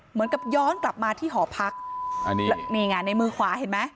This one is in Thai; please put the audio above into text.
เหมือนกับย้อนกลับมาที่หอพักนี่ไงในมือขวาเห็นไหม